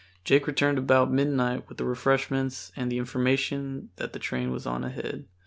Jake returned about midnight with the refreshments and the information that the train was on ahead.